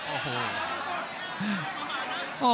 โอ้โห